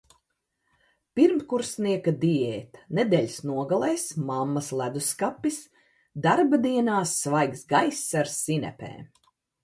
Pirmkursnieka diēta: nedēļas nogalēs mammas ledusskapis, darbdienās svaigs gaiss ar sinepēm.